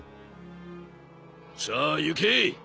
さあ行け。